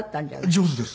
上手です。